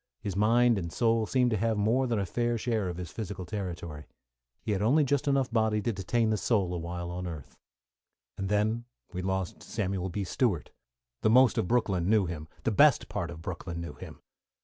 His mind and soul seemed to have more than a fair share of his physical territory. He had only just enough body to detain the soul awhile on earth. And then we lost Samuel B. Stewart. The most of Brooklyn knew him the best part of Brooklyn knew him.